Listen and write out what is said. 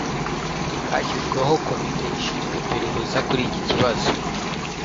Hashyizweho komite ishinzwe iperereza kuri iki kibazo